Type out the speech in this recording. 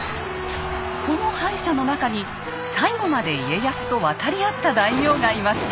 その敗者の中に最後まで家康と渡りあった大名がいました。